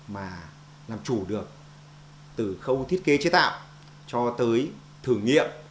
mà làm chủ được từ khâu thiết kế chế tạo cho tới thử nghiệm